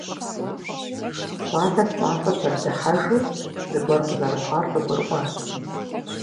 Щӏалэр пщӏантӏэм зэрыдыхьэжу, зыгуэр къызэрыхъуар къыгурыӏуащ.